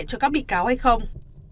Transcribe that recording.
cho các bị cáo hay không